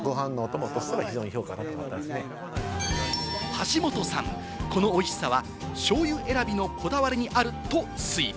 橋本さん、この美味しさは、しょうゆ選びのこだわりにあると推理。